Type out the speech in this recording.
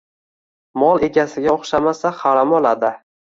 Mol egasiga o‘xshamasa, harom o‘ladi